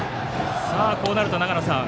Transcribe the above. こうなると長野さん